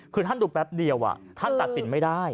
คือท่านดูแป๊บเดียวท่านตัดสินไม่ได้